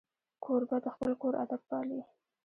کوربه د خپل کور ادب پالي.